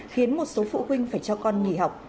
khiến một số phụ huynh phải cho con nghỉ học